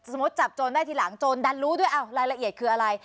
จับโจรได้ทีหลังโจรดันรู้ด้วยรายละเอียดคืออะไร